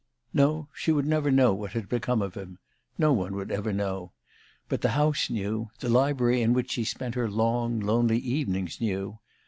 No, she would never know what had become of him no one would ever know. But the house knew; the library in which she spent her long, lonely evenings knew.